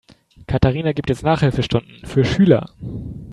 Katharina gibt jetzt Nachhilfestunden für Schüler.